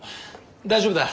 大丈夫だ。